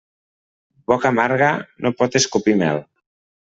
Boca amarga, no pot escopir mel.